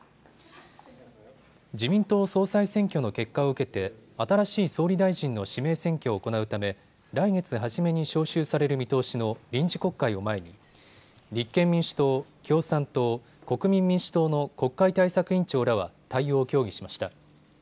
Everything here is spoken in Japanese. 自民党総裁選挙の結果を受けて新しい総理大臣の指名選挙を行うため来月初めに召集される見通しの臨時国会を前に立憲民主党、共産党、国民民主党の国会対策委員長らは対応を協議しました。